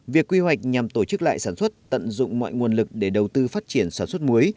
việc quy hoạch nhằm tổ chức lại sản xuất tận dụng mọi nguồn lực để đầu tư phát triển sản xuất muối